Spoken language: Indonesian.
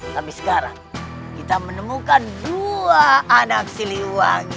sampai sekarang kita menemukan dua anak siliwangi